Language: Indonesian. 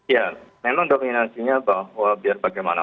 ya memang dominasinya bahwa biar bagaimana